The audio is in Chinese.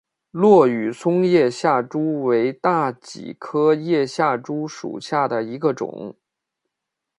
落羽松叶下珠为大戟科叶下珠属下的一个种。